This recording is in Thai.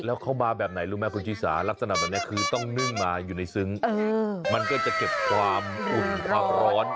แล้วเขามาแบบไหนรู้ไหมคุณชิสาลักษณะแบบนี้คือต้องนึ่งมาอยู่ในซึ้งมันก็จะเก็บความอุ่นความร้อน